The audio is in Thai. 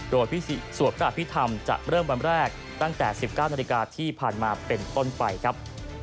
โดยพิธีสวดพระอภิษฐรรมจะเริ่มวันแรกตั้งแต่๑๙นาฬิกาที่ผ่านมาเป็นต้นไปครับ